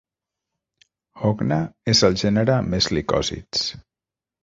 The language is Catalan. "Hogna" és el gènere amb més licòsids.